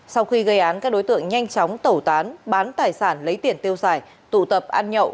sau khi gây án các đối tượng nhanh chóng tẩu tán bán tài sản lấy tiền tiêu xài tụ tập ăn nhậu